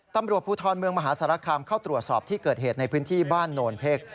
ตำรวจภูทรเมืองมหาสารคามเข้าตรวจสอบที่เกิดเหตุในพื้นที่บ้านโนนเพ็ก